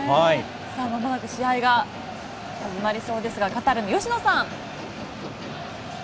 まもなく試合が始まりそうですがカタールの吉野さん。